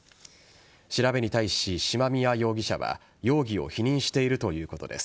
調べに対し嶋宮容疑者は容疑を否認しているということです。